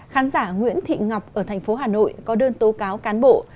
khán giả nguyễn thị ngọc ở tp hà nội có đơn tố cáo cán bộ